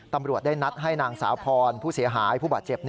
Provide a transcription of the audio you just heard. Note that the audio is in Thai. ตำรวจได้นัดให้นางสาวพรผู้เสียหายผู้บาดเจ็บ